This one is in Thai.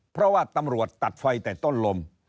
เพราะว่าตำรวจตัดไฟแต่ต้นลม